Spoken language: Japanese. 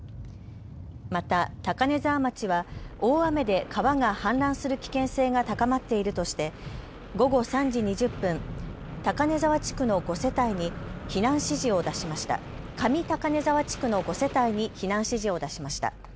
また高根沢町は大雨で川が氾濫する危険性が高まっているとして午後３時２０分、上高根沢地区の５世帯に避難指示を出しました。